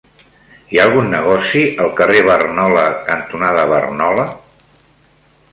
Hi ha algun negoci al carrer Barnola cantonada Barnola?